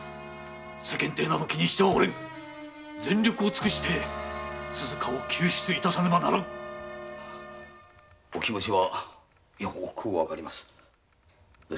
世間体など気にしてはおれぬ全力を尽くして鈴加を救出致さねばならんお気持はよくわかります。